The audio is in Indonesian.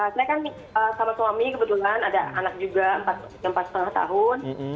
saya kan sama suami kebetulan ada anak juga empat lima tahun